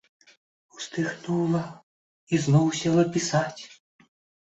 Уздыхнула і зноў села пісаць.